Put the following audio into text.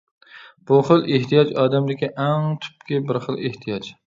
بۇ خىل ئېھتىياج ئادەمدىكى ئەڭ تۈپكى بىر خىل ئېھتىياج.